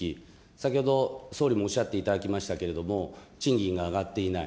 先ほど、総理もおっしゃっていただきましたけれども、賃金が上がっていない。